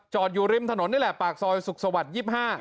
อยู่ริมถนนนี่แหละปากซอยสุขสวรรค์๒๕